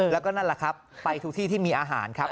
แล้วก็นั่นแหละครับไปทุกที่ที่มีอาหารครับ